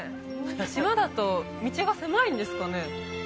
島だと道が狭いんですかね？